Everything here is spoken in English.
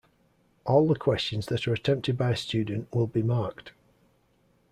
All the questions that are attempted by a student will be marked.